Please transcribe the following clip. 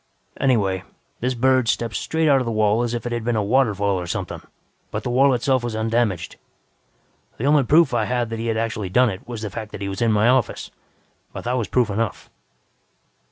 "Anyway, this bird stepped straight out of the wall as if it had been a waterfall or something, but the wall itself was undamaged. The only proof I had that he had actually done it was the fact that he was in my office, but that was proof enough.